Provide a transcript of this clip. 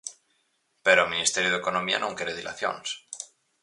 Pero o Ministerio de Economía non quere dilacións.